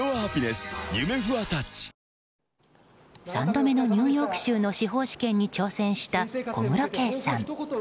３度目のニューヨーク州の司法試験に挑戦した小室圭さん。